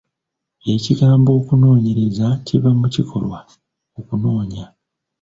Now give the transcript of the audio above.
Ekigambo okunoonyereza kiva mu kikolwa okunoonya.